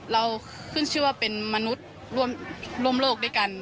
เราขึ้นชื่อว่าเป็นมนุษย์ร่วมโลกด้วยกัน